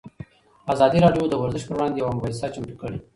ازادي راډیو د ورزش پر وړاندې یوه مباحثه چمتو کړې.